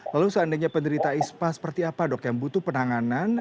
lalu seandainya penderita ispa seperti apa dok yang butuh penanganan